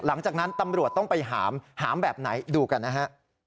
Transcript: หลังจากนั้นตำรวจต้องไปหามหามแบบไหนดูกันนะฮะ